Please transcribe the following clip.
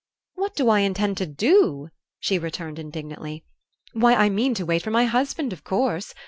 "What do I intend to do?" she returned, indignantly. "Why, I mean to wait for my husband, of course.